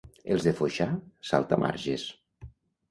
Els de Foixà, saltamarges.